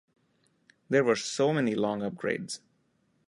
There were so many long upgrades.